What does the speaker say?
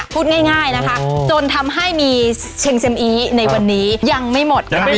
พูดง่ายนี้จนทำให้มีเช็งเสมอีย์ในวันนี้ยังไม่หมด